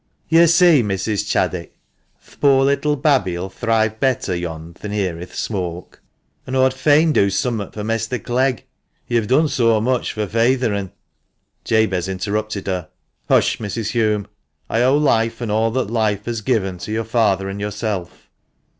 "You see, Mrs. Chaddick, th' poor little babby'll thrive better yond than here i' th' smooak ; an' aw'd fain do summat for Mester Clegg, he have done so much fur feyther an " Jabez interrupted her. " Hush ! Mrs. Hulme. I owe life, and all that life has given, to your father and yourself.